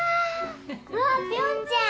わぁピョンちゃん！